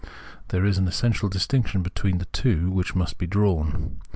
There is an essential distinction between the two which must be drawn.